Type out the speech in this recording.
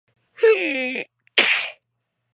The new team became known as the Greeneville Flyboys.